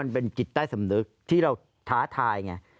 เป็นจิตใต้สำนึกที่เราท้าทายไง